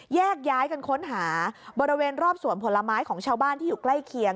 แยกย้ายกันค้นหาบริเวณรอบสวนผลไม้ของชาวบ้านที่อยู่ใกล้เคียง